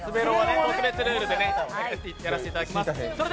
特別ルールでやらせていただきます。